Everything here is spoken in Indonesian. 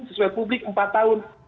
sesuai publik empat tahun